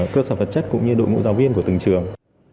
cơ sở vật chất cũng như đội ngũ giáo viên của từng trường